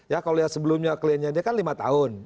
kalau lihat sebelumnya kliennya dia kan lima tahun